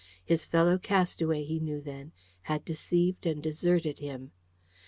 His fellow castaway, he knew then, had deceived and deserted him!